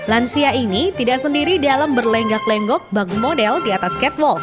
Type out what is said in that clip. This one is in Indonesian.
lansia ini tidak sendiri dalam berlenggak lenggok bangun model di atas catwalk